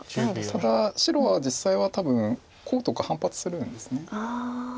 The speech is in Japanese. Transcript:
ただ白は実際は多分こうとか反発するんです。